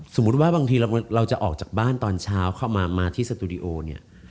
สมมุติว่าบางทีเราจะออกจากบ้านตอนเช้าเข้ามาที่สตูดิโอเนี่ย